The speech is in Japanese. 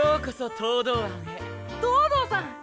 東堂さん！